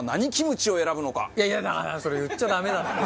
だからそれ言っちゃダメだって！